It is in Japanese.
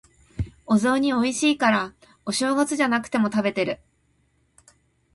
お雑煮美味しいから、お正月じゃなくても食べてる。